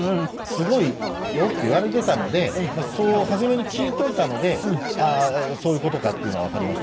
「すごいよ」って言われてたのでそう初めに聞いておいたのでああそういう事かっていうのはわかりましたね。